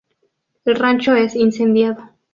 El rancho es incendiado.